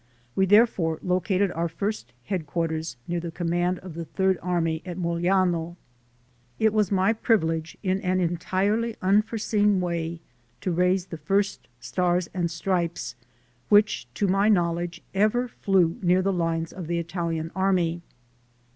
We therefore located our first headquarters near the command of the Third Army at Mogliano. It was my privilege, in an entirely unforeseen way, to raise the first Stars and Stripes which, to my knowledge, ever flew near the lines of the Italian army.